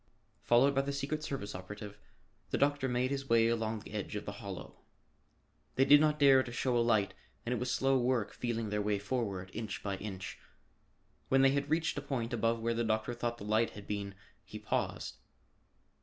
Followed by the secret service operative, the doctor made his way along the edge of the hollow. They did not dare to show a light and it was slow work feeling their way forward, inch by inch. When they had reached a point above where the doctor thought the light had been he paused.